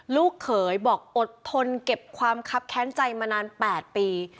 ลูกเขยบอกอดทนเก็บความคับแค้นใจมานาน๘ปี